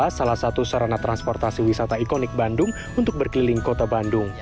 salah satu sarana transportasi wisata ikonik bandung untuk berkeliling kota bandung